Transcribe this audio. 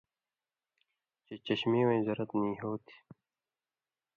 چے چشمی وَیں زرت نی ہوتھی۔